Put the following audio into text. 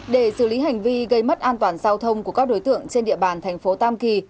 để xử lý hành vi gây mất an toàn giao thông của các đối tượng trên địa bàn thành phố tam kỳ